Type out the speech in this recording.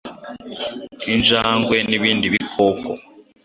injangwe n’ibindi bikoko,